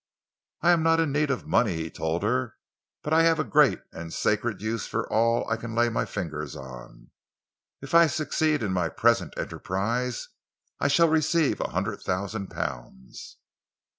"I am not in need of money," he told her, "but I have a great and sacred use for all I can lay my fingers on. If I succeed in my present enterprise, I shall receive a hundred thousand pounds."